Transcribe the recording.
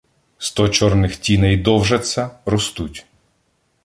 Сто чорних тіней довжаться, ростуть